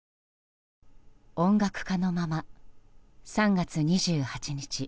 音楽家のまま、３月２８日